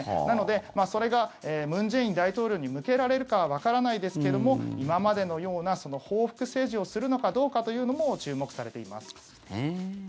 なので、それが文在寅大統領に向けられるかはわからないですけども今までのような報復政治をするのかどうかというのも注目されています。